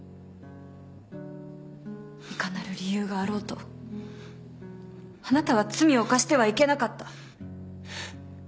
いかなる理由があろうとあなたは罪を犯してはいけなかった。